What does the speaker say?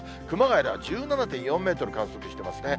熊谷では１７．４メートル観測しています。